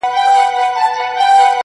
ما چي هلمند ته ترانې لیکلې؛